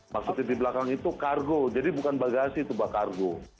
maksudnya di belakang itu kargo jadi bukan bagasi tuh bakargo